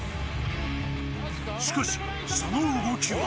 しかしその動きは。